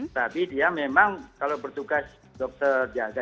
tapi dia memang kalau bertugas dokter jaga